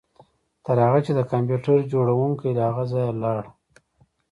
تر هغه چې د کمپیوټر جوړونکی له هغه ځایه لاړ